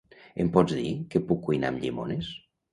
Em pots dir què puc cuinar amb llimones?